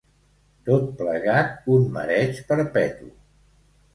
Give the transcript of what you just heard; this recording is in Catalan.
Tot plegat, un mareig perpetu.